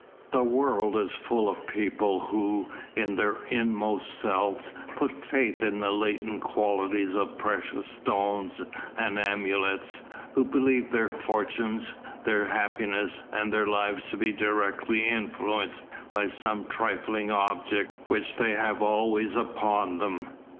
The world is full of people who, in their inmost selves, put faith in the latent qualities of precious stones and amulets, who believe their fortunes, their happiness, and their lives to be directly influenced by some trifling object which they have always upon them.